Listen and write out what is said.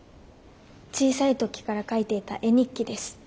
小さい時から描いていた絵日記です。